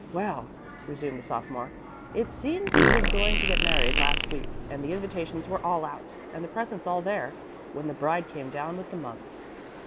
"Well," resumed the sophomore, "it seems he was going to get married last week, and the invitations were all out, and the presents all there, when the bride came down with the mumps."